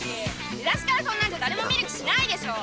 出だしからそんなんじゃ誰も見る気しないでしょう！